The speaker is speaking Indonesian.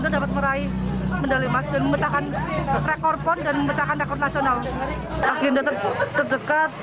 dapat meraih medali emas dan memecahkan rekor pon dan memecahkan rekor nasional agenda terdekat